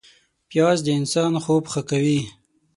پیاز د انسان خوب ښه کوي